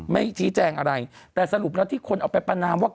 ไม่ชี้แจงอะไรแต่สรุปแล้วที่คนเอาไปประนามว่า